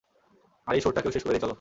আর এই শুয়োরটাকেও শেষ করে দেই চলো!